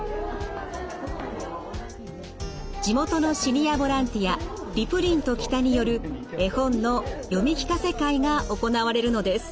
地元のシニアボランティア「りぷりんと・北」による絵本の読み聞かせ会が行われるのです。